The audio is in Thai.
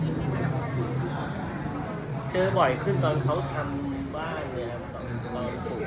พี่แจ๊คต้องใช้ความกล้าเท่าไหร่